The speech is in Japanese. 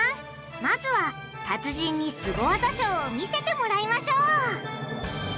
まずは達人にスゴ技ショーを見せてもらいましょう！